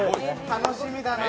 楽しみだな。